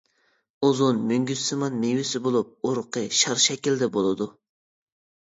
ئۇزۇن مۈڭگۈزسىمان مېۋىسى بولۇپ، ئۇرۇقى شار شەكلىدە بولىدۇ.